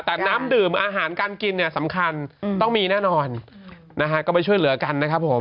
แต่น้ำดื่มอาหารการกินเนี่ยสำคัญต้องมีแน่นอนนะฮะก็ไปช่วยเหลือกันนะครับผม